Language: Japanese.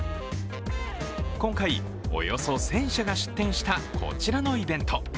今回およそ１０００社が出展したこちらのイベント。